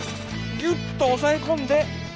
ギュッと押さえ込んで。